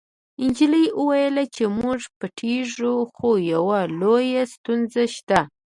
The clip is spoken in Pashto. نجلۍ وویل چې موږ پټیږو خو یوه لویه ستونزه شته